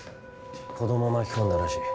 子ども巻き込んだらしい。